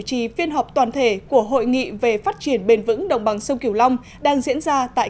trì phiên họp toàn thể của hội nghị về phát triển bền vững đồng bằng sông kiều long đang diễn ra tại